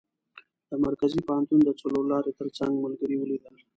د مرکزي پوهنتون د څلور لارې تر څنګ ملګري ولیدل.